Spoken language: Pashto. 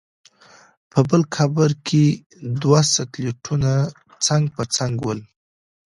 په بل قبر کې دوه سکلیټونه څنګ په څنګ ول.